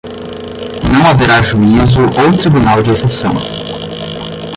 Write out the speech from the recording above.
não haverá juízo ou tribunal de exceção;